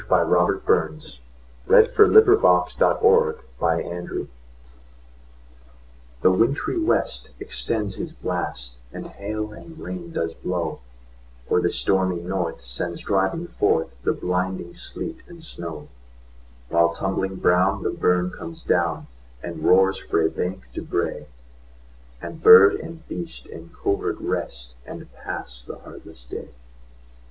The Harvard Classics. 1909–14. 1781 15 . Winter: A Dirge THE WINTRY west extends his blast, And hail and rain does blaw; Or the stormy north sends driving forthThe blinding sleet and snaw:While, tumbling brown, the burn comes down, And roars frae bank to brae; And bird and beast in covert rest, And pass the heartless day.